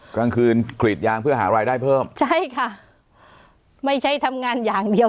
กลางคืนกรีดยางเพื่อหารายได้เพิ่มใช่ค่ะไม่ใช่ทำงานอย่างเดียว